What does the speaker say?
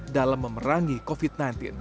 dalam memerangi covid sembilan belas